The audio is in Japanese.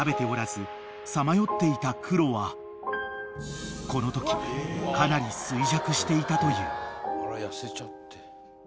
［さまよっていたクロはこのときかなり衰弱していたという］